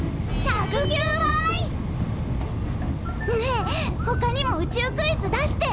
ねえほかにも宇宙クイズ出して！